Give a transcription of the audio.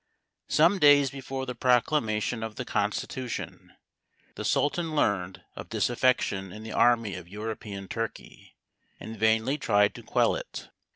Some days before the proclamation of the constitution, the Sultan learned of disaffection in the army of European Turkey, and vainly tried to quell it.